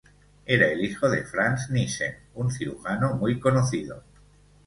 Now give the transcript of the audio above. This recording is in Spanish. Era el hijo de Franz Nissen, un cirujano muy conocido.